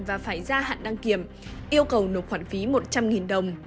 và phải ra hạn đăng kiểm yêu cầu nộp khoản phí một trăm linh đồng